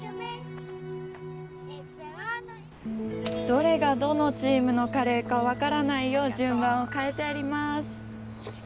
どれがどのチームのカレーか分からないよう順番を変えてあります